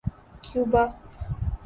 Cuba